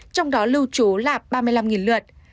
trong đó lưu trú là ba mươi năm lượt